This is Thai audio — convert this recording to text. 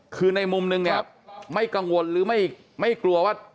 คือในมุมนึงเนี่ยไม่กังวลหรือไม่กลัวว่า